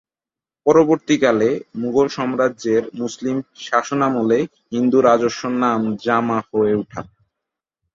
পরবর্তীকালে, মুগল সাম্রাজ্যের মুসলিম শাসনামলে হিন্দু 'রাজস্ব' নাম 'জামা' হয়ে ওঠে।